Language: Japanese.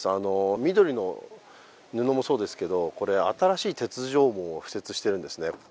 緑の布もそうですけど、これ新しい鉄条網を敷設してるんですね。